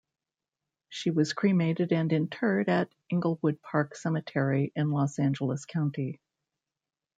She was cremated and interred at Inglewood Park Cemetery in Los Angeles County.